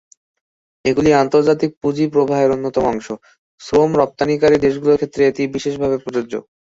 এগুলি আন্তর্জাতিক পুঁজি প্রবাহের অন্যতম অংশ; শ্রম-রপ্তানিকারী দেশগুলির ক্ষেত্রে এটি বিশেষভাবে প্রযোজ্য।